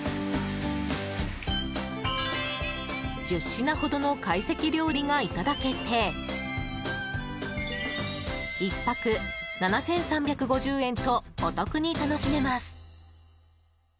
１０品ほどの懐石料理がいただけて１泊７３５０円とお得に楽しめます。